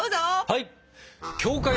はい！